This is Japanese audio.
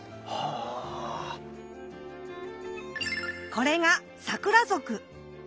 これがサクラ属